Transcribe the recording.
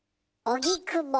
おぎくぼ。